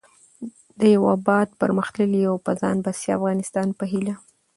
د يو اباد٬پرمختللي او په ځان بسيا افغانستان په هيله